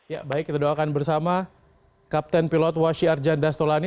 ya baik kita doakan bersama kapten pilot washi arjanda stolani